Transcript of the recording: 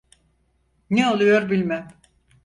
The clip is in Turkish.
Ne oluyor bilmem…